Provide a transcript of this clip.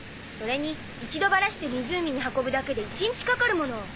それに一度バラして湖に運ぶだけで一日かかるもの。